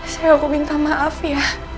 sampai aku minta maaf ya